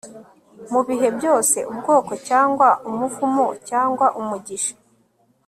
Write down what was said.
Mubihe byose ubwoko cyangwa umuvumo cyangwa umugisha